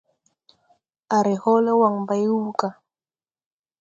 A ree hɔɔle waŋ bay wuu gà.